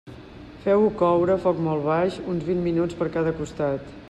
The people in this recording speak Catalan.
Feu-ho coure, a foc molt baix, uns vint minuts per cada costat.